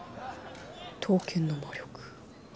「刀剣の魔力」。